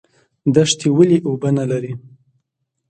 دښتې ولې اوبه نلري؟